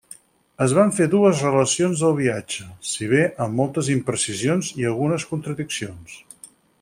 Es van fer dues relacions del viatge, si bé amb moltes imprecisions i algunes contradiccions.